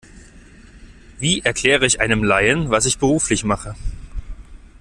Wie erkläre ich einem Laien, was ich beruflich mache?